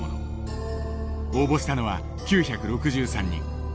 応募したのは９６３人。